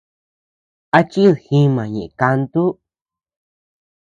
¿A chid jima ñeʼe kantu?